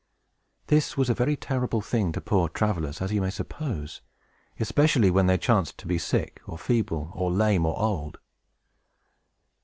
This was a very terrible thing to poor travelers, as you may suppose, especially when they chanced to be sick, or feeble, or lame, or old.